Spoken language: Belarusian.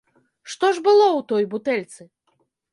Што ж было ў той бутэльцы?